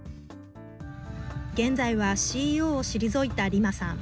現在はＣＥＯを退いたリマさん。